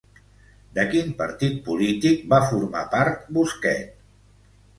De quin partit polític va formar part Busquet?